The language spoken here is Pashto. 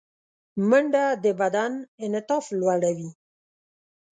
منډه د بدن انعطاف لوړوي